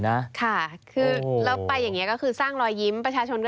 ค่ะคือแล้วไปอย่างนี้ก็คือสร้างรอยยิ้มประชาชนก็